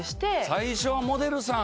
最初はモデルさん。